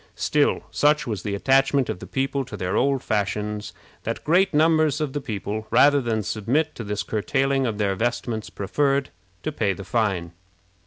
Still, such was the attachment of the people to their old fashions, that great numbers of the people, rather than submit to this curtailing of their vestments, preferred to pay the fine.